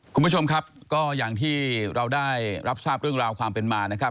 คุณผู้ชมครับก็อย่างที่เราได้รับทราบเรื่องราวความเป็นมานะครับ